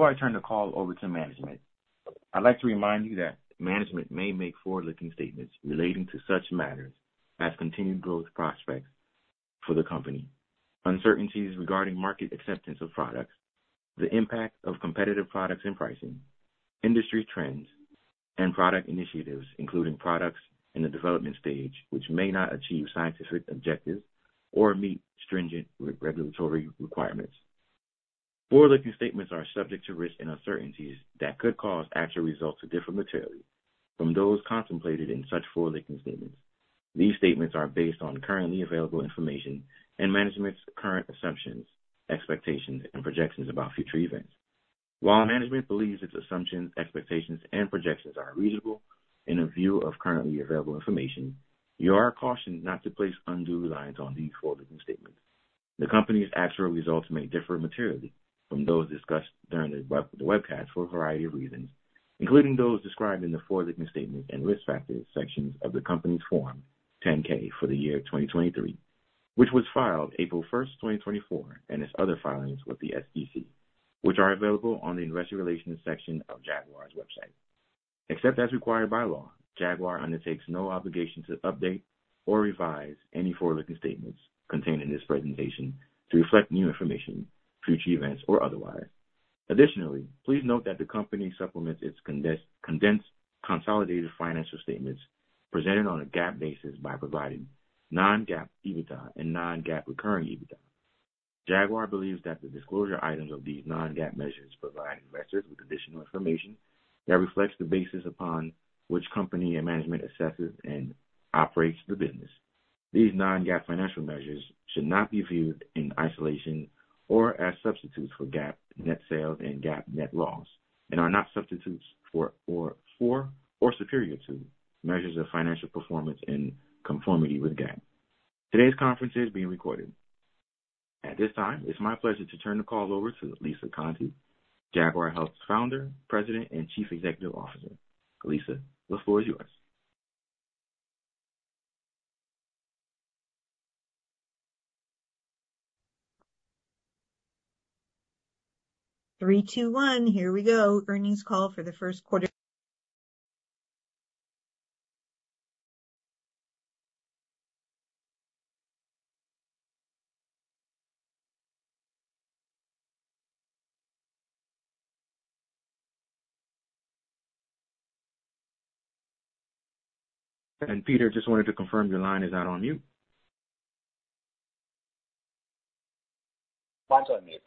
Before I turn the call over to management, I'd like to remind you that management may make forward-looking statements relating to such matters as continued growth prospects for the company, uncertainties regarding market acceptance of products, the impact of competitive products and pricing, industry trends, and product initiatives, including products in the development stage, which may not achieve scientific objectives or meet stringent regulatory requirements. Forward-looking statements are subject to risks and uncertainties that could cause actual results to differ materially from those contemplated in such forward-looking statements. These statements are based on currently available information and management's current assumptions, expectations, and projections about future events. While management believes its assumptions, expectations, and projections are reasonable in view of currently available information, you are cautioned not to place undue reliance on these forward-looking statements. The company's actual results may differ materially from those discussed during the webcast for a variety of reasons, including those described in the forward-looking statement and risk factors sections of the company's Form 10-K for the year 2023, which was filed April 1, 2024, and its other filings with the SEC, which are available on the Investor Relations section of Jaguar's website. Except as required by law, Jaguar undertakes no obligation to update or revise any forward-looking statements contained in this presentation to reflect new information, future events, or otherwise. Additionally, please note that the company supplements its condensed, consolidated financial statements presented on a GAAP basis by providing non-GAAP EBITDA and non-GAAP recurring EBITDA. Jaguar believes that the disclosure items of these non-GAAP measures provide investors with additional information that reflects the basis upon which company and management assesses and operates the business. These non-GAAP financial measures should not be viewed in isolation or as substitutes for GAAP net sales and GAAP net loss and are not substitutes for, or superior to measures of financial performance in conformity with GAAP. Today's conference is being recorded. At this time, it's my pleasure to turn the call over to Lisa Conte, Jaguar Health's Founder, President, and Chief Executive Officer. Lisa, the floor is yours. Three, two, one, here we go. Earnings call for the first quarter. Peter, just wanted to confirm your line is not on mute. Not on mute.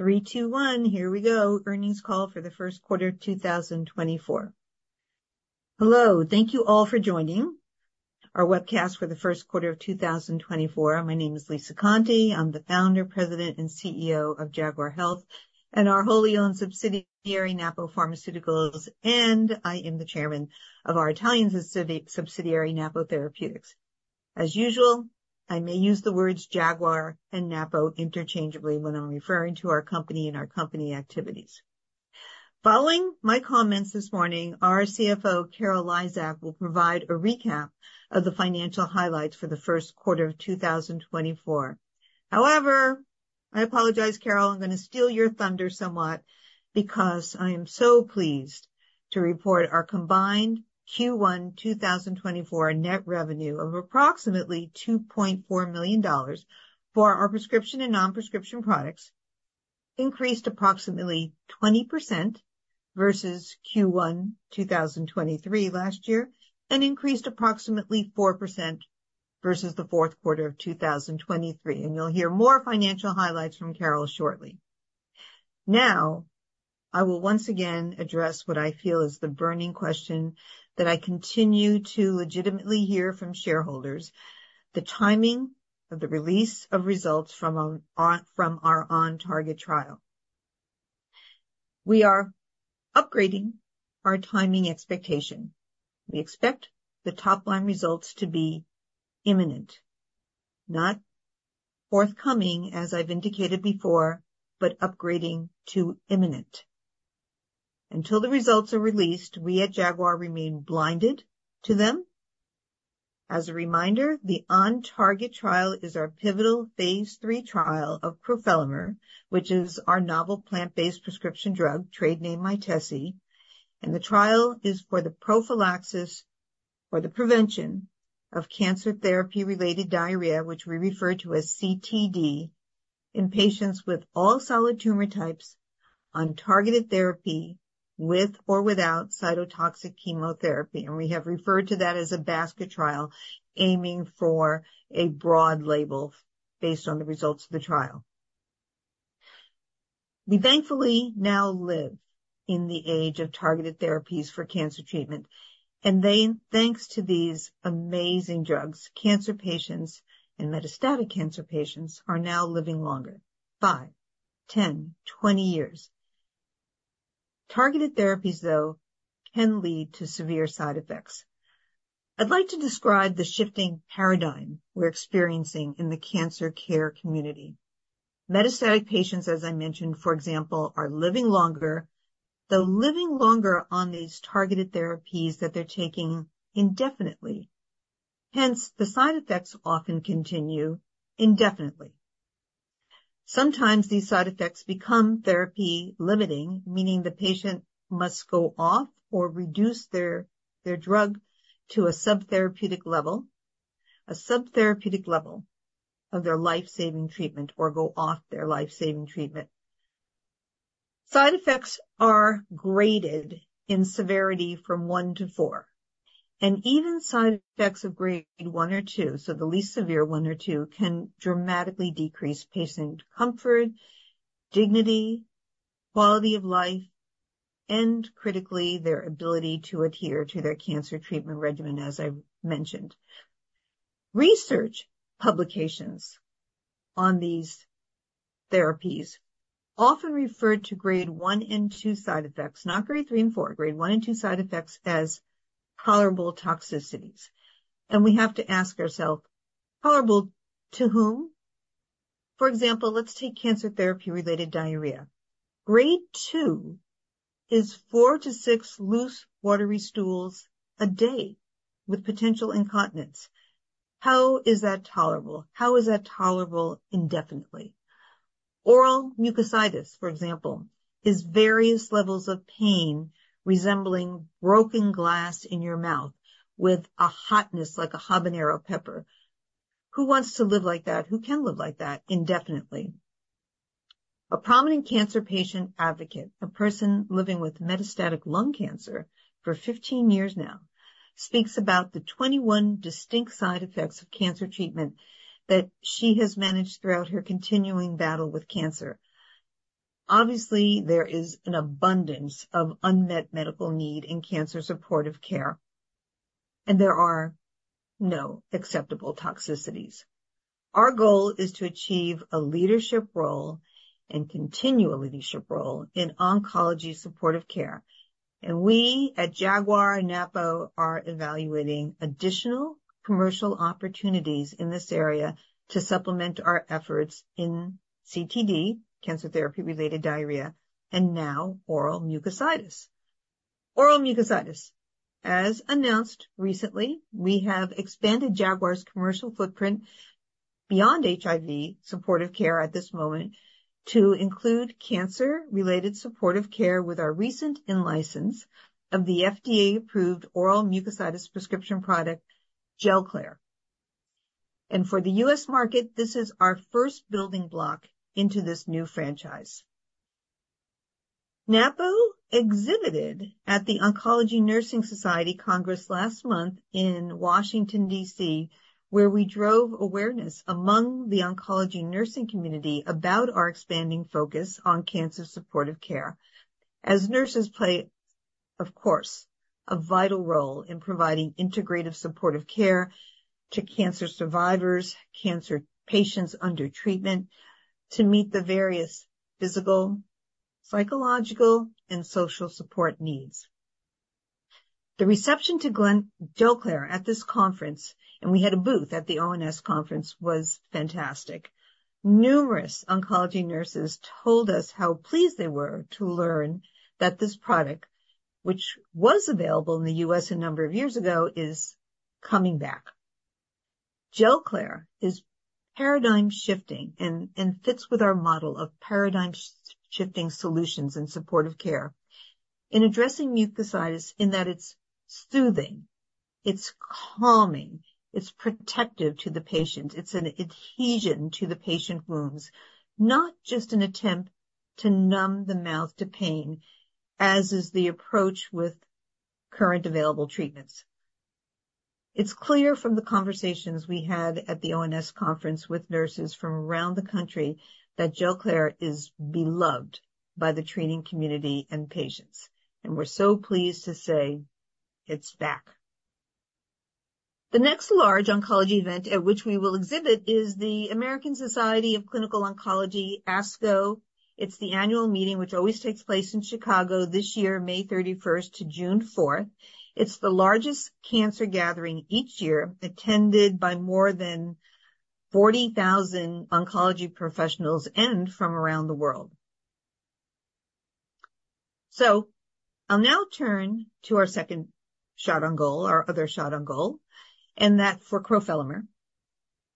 Three, two, one, here we go. Earnings call for the first quarter of 2024. Hello, thank you all for joining our webcast for the first quarter of 2024. My name is Lisa Conte. I'm the founder, president, and CEO of Jaguar Health and our wholly owned subsidiary, Napo Pharmaceuticals, and I am the chairman of our Italian subsidiary, Napo Therapeutics. As usual, I may use the words Jaguar and Napo interchangeably when I'm referring to our company and our company activities. Following my comments this morning, our CFO, Carol Lizak, will provide a recap of the financial highlights for the first quarter of 2024. However, I apologize, Carol, I'm gonna steal your thunder somewhat because I am so pleased to report our combined Q1 2024 net revenue of approximately $2.4 million for our prescription and non-prescription products, increased approximately 20% versus Q1 2023 last year, and increased approximately 4% versus the fourth quarter of 2023. You'll hear more financial highlights from Carol shortly. Now, I will once again address what I feel is the burning question that I continue to legitimately hear from shareholders: the timing of the release of results from our OnTarget trial. We are upgrading our timing expectation. We expect the top-line results to be imminent, not forthcoming, as I've indicated before, but upgrading to imminent. Until the results are released, we at Jaguar remain blinded to them. As a reminder, the OnTarget trial is our pivotal phase III trial of crofelemer, which is our novel plant-based prescription drug, trade name Mytesi, and the trial is for the prophylaxis or the prevention of cancer therapy-related diarrhea, which we refer to as CTD, in patients with all solid tumor types on targeted therapy, with or without cytotoxic chemotherapy. And we have referred to that as a basket trial, aiming for a broad label based on the results of the trial. We thankfully now live in the age of targeted therapies for cancer treatment. And they, thanks to these amazing drugs, cancer patients and metastatic cancer patients are now living longer, five, 10, 20 years. Targeted therapies, though, can lead to severe side effects. I'd like to describe the shifting paradigm we're experiencing in the cancer care community. Metastatic patients, as I mentioned, for example, are living longer, though living longer on these targeted therapies that they're taking indefinitely. Hence, the side effects often continue indefinitely. Sometimes these side effects become therapy-limiting, meaning the patient must go off or reduce their, their drug to a subtherapeutic level, a subtherapeutic level of their life-saving treatment, or go off their life-saving treatment. Side effects are graded in severity from one to four, and even side effects of grade one or two, so the least severe, one or two, can dramatically decrease patient comfort, dignity, quality of life, and critically, their ability to adhere to their cancer treatment regimen, as I mentioned. Research publications on these therapies often referred to Grade 1 and 2 side effects, not Grade 3 and 4, Grade 1 and 2 side effects as tolerable toxicities. We have to ask ourselves, tolerable to whom? For example, let's take cancer therapy-related diarrhea. Grade 2 is four-six loose, watery stools a day with potential incontinence. How is that tolerable? How is that tolerable indefinitely? Oral mucositis, for example, is various levels of pain resembling broken glass in your mouth with a hotness like a habanero pepper. Who wants to live like that? Who can live like that indefinitely? A prominent cancer patient advocate, a person living with metastatic lung cancer for 15 years now, speaks about the 21 distinct side effects of cancer treatment that she has managed throughout her continuing battle with cancer. Obviously, there is an abundance of unmet medical need in cancer supportive care, and there are no acceptable toxicities. Our goal is to achieve a leadership role and continue a leadership role in oncology supportive care, and we at Jaguar-Napo are evaluating additional commercial opportunities in this area to supplement our efforts in CTD, cancer therapy-related diarrhea, and now oral mucositis. Oral mucositis. As announced recently, we have expanded Jaguar's commercial footprint beyond HIV supportive care at this moment to include cancer-related supportive care with our recent in-license of the FDA-approved oral mucositis prescription product, GelClair. For the U.S. market, this is our first building block into this new franchise. Napo exhibited at the Oncology Nursing Society Congress last month in Washington, D.C., where we drove awareness among the oncology nursing community about our expanding focus on cancer supportive care. As nurses play, of course, a vital role in providing integrative supportive care to cancer survivors, cancer patients under treatment to meet the various physical, psychological, and social support needs. The reception to GelClair at this conference, and we had a booth at the ONS conference, was fantastic. Numerous oncology nurses told us how pleased they were to learn that this product, which was available in the U.S. a number of years ago, is coming back. GelClair is paradigm shifting and fits with our model of paradigm shifting solutions in supportive care. In addressing mucositis, in that it's soothing, it's calming, it's protective to the patient, it's an adhesion to the patient wounds, not just an attempt to numb the mouth to pain, as is the approach with current available treatments. It's clear from the conversations we had at the ONS conference with nurses from around the country that GelClair is beloved by the treating community and patients, and we're so pleased to say it's back. The next large oncology event at which we will exhibit is the American Society of Clinical Oncology, ASCO. It's the annual meeting, which always takes place in Chicago this year, May 31-June 4. It's the largest cancer gathering each year, attended by more than 40,000 oncology professionals and from around the world. So I'll now turn to our second shot on goal, our other shot on goal, and that for crofelemer.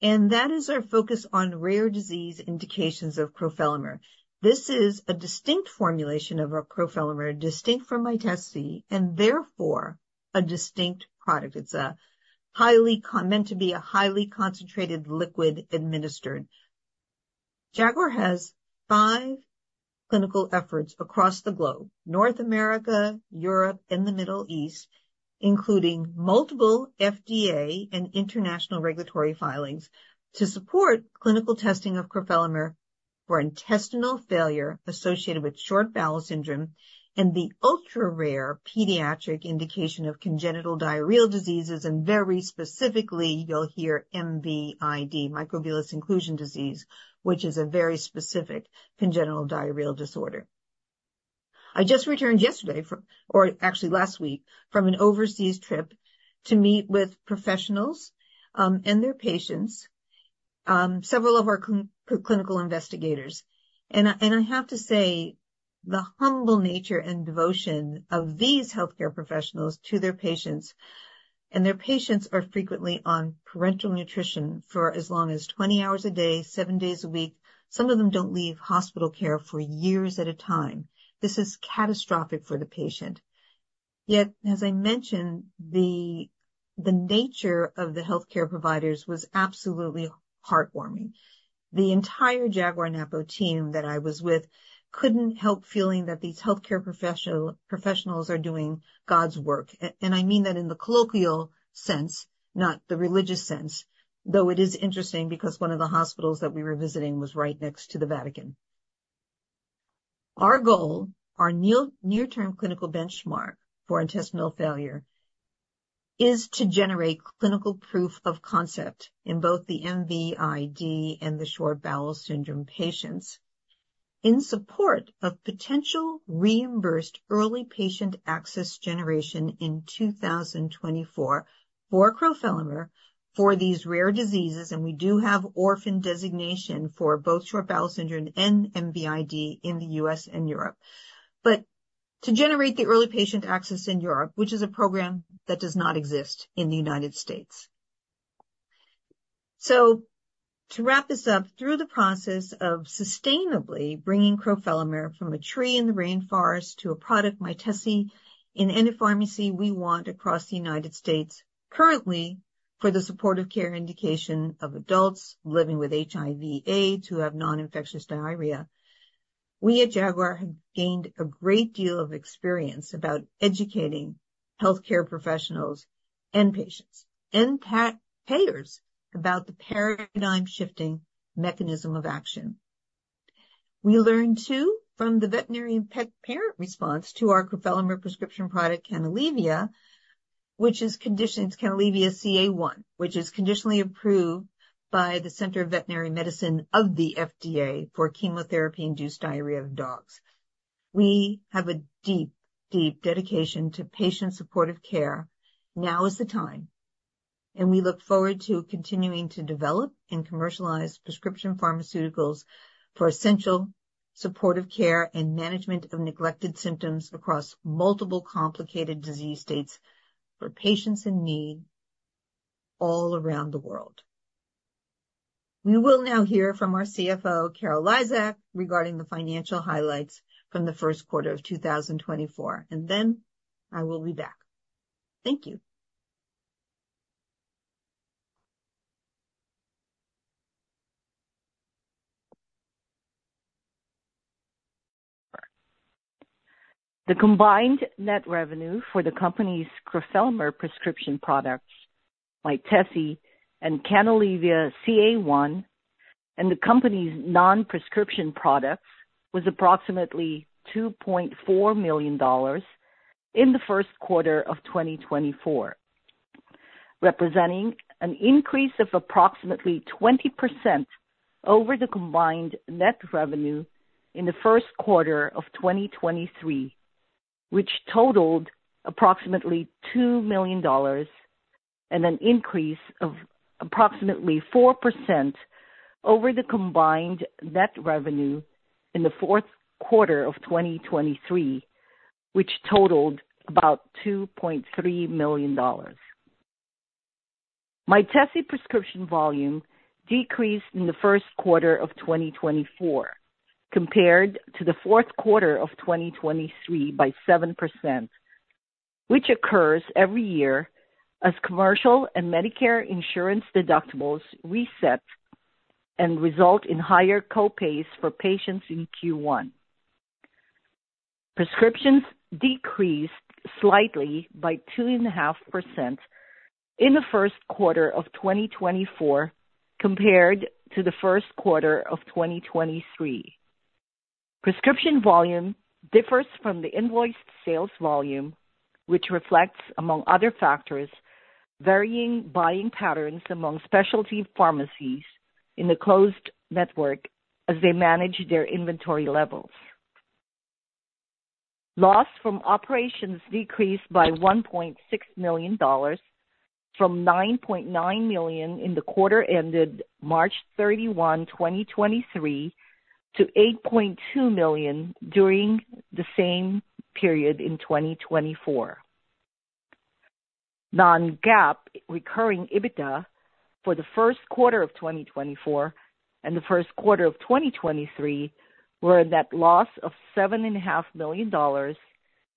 And that is our focus on rare disease indications of crofelemer. This is a distinct formulation of our crofelemer, distinct from Mytesi, and therefore a distinct product. It's a highly meant to be a highly concentrated liquid administered. Jaguar has five clinical efforts across the globe, North America, Europe, and the Middle East, including multiple FDA and international regulatory filings to support clinical testing of crofelemer for intestinal failure associated with short bowel syndrome and the ultra-rare pediatric indication of congenital diarrheal diseases, and very specifically, you'll hear MVID, microvillus inclusion disease, which is a very specific congenital diarrheal disorder. I just returned yesterday from or actually last week, from an overseas trip to meet with professionals and their patients, several of our clinical investigators. And I have to say, the humble nature and devotion of these healthcare professionals to their patients, and their patients are frequently on parenteral nutrition for as long as 20 hours a day, seven days a week. Some of them don't leave hospital care for years at a time. This is catastrophic for the patient. Yet, as I mentioned, the nature of the healthcare providers was absolutely heartwarming. The entire Jaguar Napo team that I was with couldn't help feeling that these healthcare professionals are doing God's work. And I mean that in the colloquial sense, not the religious sense, though it is interesting because one of the hospitals that we were visiting was right next to the Vatican. Our goal, our near-term clinical benchmark for intestinal failure, is to generate clinical proof of concept in both the MVID and the short bowel syndrome patients in support of potential reimbursed early patient access generation in 2024 for crofelemer for these rare diseases. And we do have orphan designation for both short bowel syndrome and MVID in the U.S. and Europe. But to generate the early patient access in Europe, which is a program that does not exist in the United States. So to wrap this up, through the process of sustainably bringing crofelemer from a tree in the rainforest to a product, Mytesi, in any pharmacy we want across the United States, currently, for the supportive care indication of adults living with HIV/AIDS who have non-infectious diarrhea. We at Jaguar have gained a great deal of experience about educating healthcare professionals and patients and payers about the paradigm-shifting mechanism of action. We learned, too, from the veterinary pet parent response to our crofelemer prescription product, Canalevia-CA1, which is conditionally approved by the Center for Veterinary Medicine of the FDA for chemotherapy-induced diarrhea of dogs. We have a deep, deep dedication to patient supportive care. Now is the time, and we look forward to continuing to develop and commercialize prescription pharmaceuticals for essential supportive care and management of neglected symptoms across multiple complicated disease states for patients in need all around the world. We will now hear from our CFO, Carol Lizak, regarding the financial highlights from the first quarter of 2024, and then I will be back. Thank you. The combined net revenue for the company's crofelemer prescription products, Mytesi and Canalevia-CA1, and the company's non-prescription products, was approximately $2.4 million in the first quarter of 2024, representing an increase of approximately 20% over the combined net revenue in the first quarter of 2023, which totaled approximately $2 million, and an increase of approximately 4% over the combined net revenue in the fourth quarter of 2023, which totaled about $2.3 million. Mytesi prescription volume decreased in the first quarter of 2024 compared to the fourth quarter of 2023 by 7%, which occurs every year as commercial and Medicare insurance deductibles reset and result in higher co-pays for patients in Q1. Prescriptions decreased slightly by 2.5% in the first quarter of 2024 compared to the first quarter of 2023. Prescription volume differs from the invoiced sales volume, which reflects, among other factors, varying buying patterns among specialty pharmacies in the closed network as they manage their inventory levels. Loss from operations decreased by $1.6 million from $9.9 million in the quarter ended March 31, 2023, to $8.2 million during the same period in 2024. Non-GAAP recurring EBITDA for the first quarter of 2024 and the first quarter of 2023 were a net loss of $7.5 million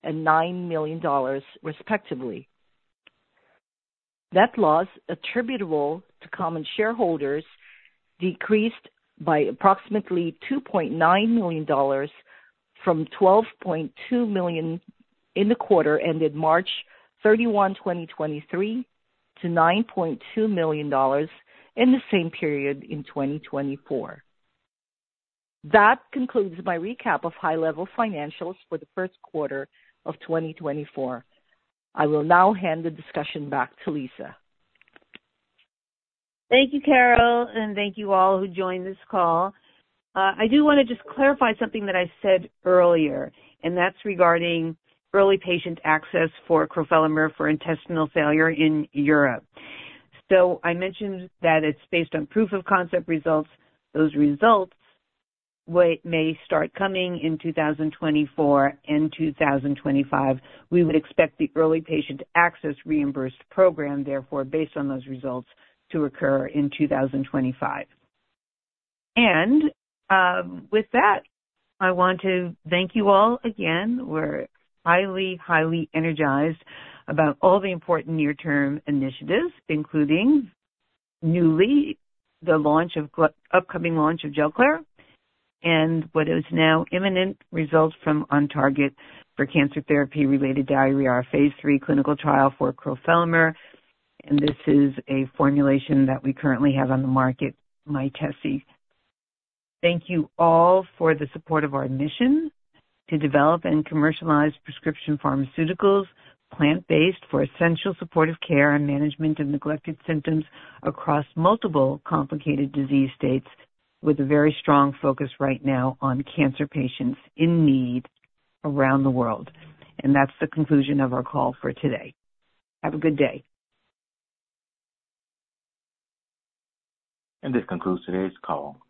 and $9 million, respectively. Net loss attributable to common shareholders decreased by approximately $2.9 million from $12.2 million in the quarter ended March 31, 2023, to $9.2 million in the same period in 2024. That concludes my recap of high-level financials for the first quarter of 2024. I will now hand the discussion back to Lisa. Thank you, Carol, and thank you all who joined this call. I do wanna just clarify something that I said earlier, and that's regarding early patient access for crofelemer for intestinal failure in Europe. So I mentioned that it's based on proof of concept results. Those results may start coming in 2024 and 2025. We would expect the early patient access reimbursed program, therefore, based on those results, to occur in 2025. And, with that, I want to thank you all again. We're highly, highly energized about all the important near-term initiatives, including newly, the upcoming launch of GelClair and what is now imminent results from OnTarget for cancer therapy-related diarrhea, our phase III clinical trial for crofelemer, and this is a formulation that we currently have on the market, Mytesi. Thank you all for the support of our mission to develop and commercialize prescription pharmaceuticals, plant-based, for essential supportive care and management of neglected symptoms across multiple complicated disease states, with a very strong focus right now on cancer patients in need around the world. That's the conclusion of our call for today. Have a good day. This concludes today's call.